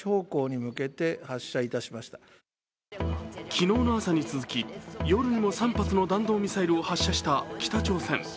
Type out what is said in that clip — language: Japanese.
昨日の朝に続き、夜にも３発の弾道ミサイルを発射した北朝鮮。